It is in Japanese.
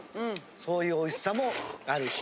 そういうおいしさもあるし。